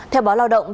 theo báo lao động